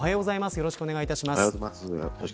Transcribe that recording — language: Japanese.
よろしくお願いします。